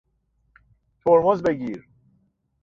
ترمز بگیر!